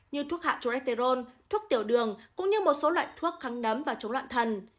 như thuốc hạ cholesterol thuốc tiểu đường cũng như một số loại thuốc kháng nấm và chống loạn thần